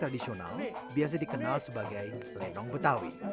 tradisional biasa dikenal sebagai lenong betawi